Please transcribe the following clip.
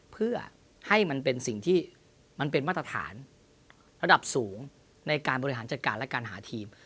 เพื่อให้มันเป็นสิ่งที่มันเป็นมาตรฐานระดับสูงในการบริหารจัดการและการหาทีม